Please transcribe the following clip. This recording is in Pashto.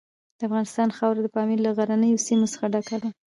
د افغانستان خاوره د پامیر له غرنیو سیمو څخه ډکه ده.